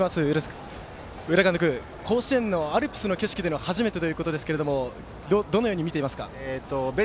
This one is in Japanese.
うえだ監督、甲子園のアルプスの景色は初めてということでしたがどう見ていますか？